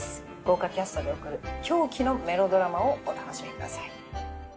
豪華キャストで送る狂気のメロドラマをお楽しみください。